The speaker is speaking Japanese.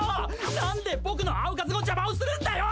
なんで僕の青活の邪魔をするんだよ！